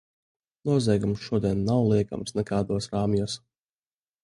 Noziegums šodien nav liekams nekādos rāmjos.